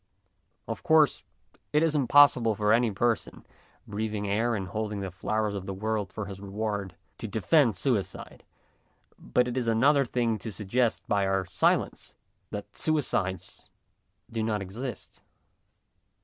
Of course, it is impossible for any person, breathing air and holding the flowers of the world for his reward, to defend suicide, but it is another thing to suggest by our silence that suicides do not exist.